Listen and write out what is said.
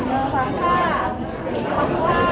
ขอบคุณหนึ่งนะคะขอบคุณหนึ่งนะคะ